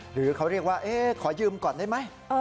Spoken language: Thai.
หรือเขาเรียกว่าขอยืมก่อนได้ไหม